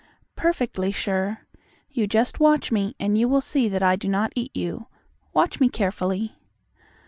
"Perfectly sure. You just watch me, and you will see that I do not eat you. Watch me carefully."